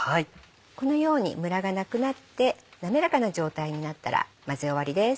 このようにムラがなくなって滑らかな状態になったら混ぜ終わりです。